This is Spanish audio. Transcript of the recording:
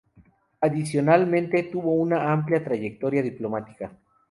Adicionalmente tuvo una amplia trayectoria diplomática.